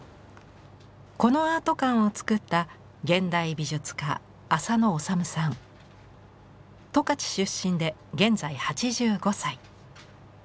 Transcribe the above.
このアート館を作った十勝出身で現在８５歳。